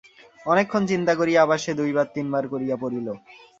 অনেকক্ষণ চিন্তা করিয়া আবার সে দুইবার তিনবার করিয়া পড়িল।